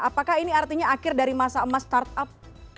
apakah ini artinya akhir dari masa emas startup